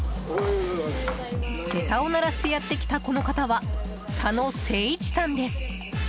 げたを鳴らしてやってきたこの方は、佐野誠一さんです。